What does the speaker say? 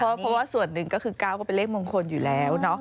เพราะว่าส่วนหนึ่งก็คือ๙ก็เป็นเลขมงคลอยู่แล้ว